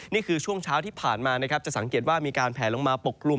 นี่คือช่วงเช้าที่ผ่านมานะครับจะสังเกตว่ามีการแผลลงมาปกกลุ่ม